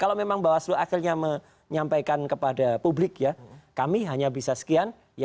kalau memang bawaslu akhirnya menyampaikan kepada publik ya kami hanya bisa sekian